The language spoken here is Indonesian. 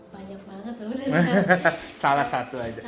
banyak banget sebenarnya salah satu aja